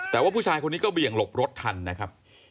แต่ว่าผู้ชายคนนี้ก็เบี่ยงหลบรถทันนะครับ